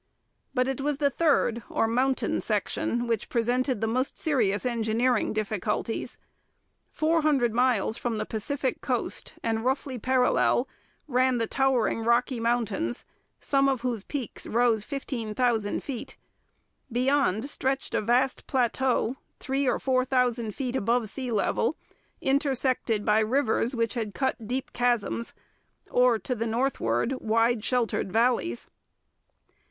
But it was the third or mountain section which presented the most serious engineering difficulties. Four hundred miles from the Pacific coast, and roughly parallel, ran the towering Rocky Mountains, some of whose peaks rose fifteen thousand feet. Beyond stretched a vast plateau, three or four thousand feet above sea level, intersected by rivers which had cut deep chasms or, to the northward, wide sheltered valleys.